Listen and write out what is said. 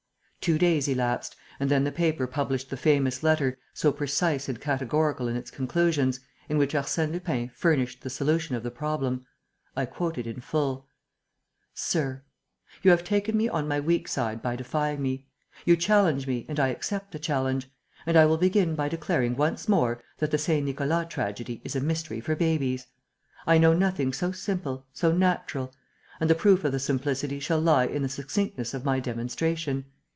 Two days elapsed; and then the paper published the famous letter, so precise and categorical in its conclusions, in which Arsène Lupin furnished the solution of the problem. I quote it in full: "Sir: "You have taken me on my weak side by defying me. You challenge me, and I accept the challenge. And I will begin by declaring once more that the Saint Nicolas tragedy is a mystery for babies. I know nothing so simple, so natural; and the proof of the simplicity shall lie in the succinctness of my demonstration.